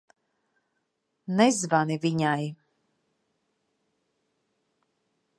Nezvani viņai.